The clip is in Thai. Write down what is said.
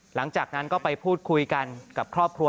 หลังจากนั้นก็ไปพูดคุยกันกับครอบครัว